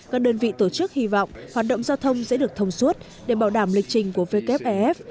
các đơn vị tổ chức hy vọng hoạt động giao thông sẽ được thông suốt để bảo đảm lịch trình của wef